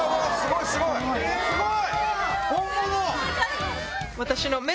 すごい！